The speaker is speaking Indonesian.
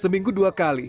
seminggu dua kali